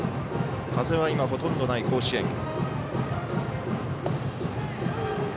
風は今ほとんどない甲子園。